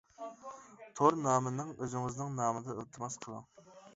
تور نامىنىڭ ئۆزىڭىزنىڭ نامىدا ئىلتىماس قىلىڭ.